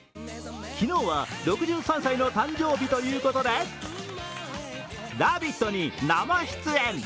昨日は６３歳の誕生日ということで、「ラヴィット！」に生出演。